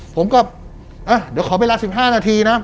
ผมก็เดี๋ยวขอเวลา๑๕นาทีนะ